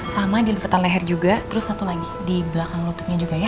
sama dilepetan leher juga trans conversations dilapih lagu diliputnya juga ya